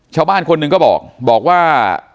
ชาวบ้านคนหนึ่งก็บอกบอกว่า